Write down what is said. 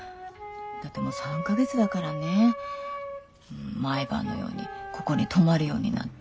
だって３か月だからね毎晩のようにここに泊まるようになって。